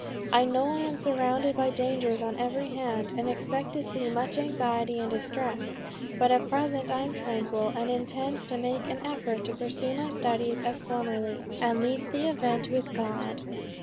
I know I am surrounded by dangers on every hand, and expect to see much anxiety and distress: but at present I am tranquil, and intend to make an effort to pursue my studies as formerly, and leave the event with God."